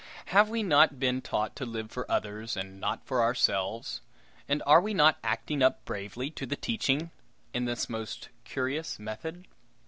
Have we not been taught to live for others and not for ourselves, and are we not acting up bravely to the teaching in this most curious method?